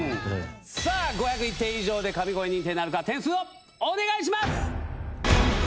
さあ、５０１点以上で神声認定なるか、点数をお願いします！